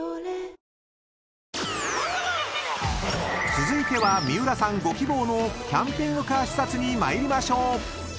［続いては三浦さんご希望のキャンピングカー視察に参りましょう］